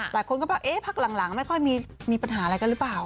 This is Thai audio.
หลายคนก็แบบเอ๊ะพักหลังไม่ค่อยมีปัญหาอะไรกันหรือเปล่า